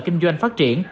kinh doanh phát triển